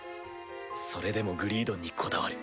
それでもグリードンにこだわる。